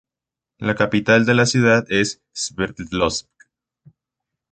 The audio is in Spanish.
La capital es la ciudad de Sverdlovsk.